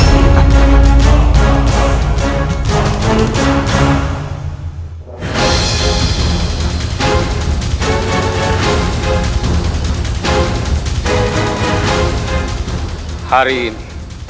untuk memulihkan posisi dinda